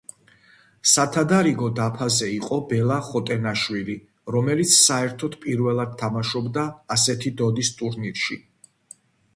სათადაროგო დაფაზე იყო ბელა ხოტენაშვილი, რომელიც საერთოდ პირველად თამაშობდა ასეთი დონის ტურნირში.